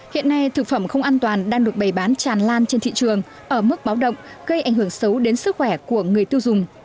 hiện nay thực phẩm không an toàn đang được bày bán tràn lan trên thị trường ở mức báo động gây ảnh hưởng xấu đến sức khỏe của người tiêu dùng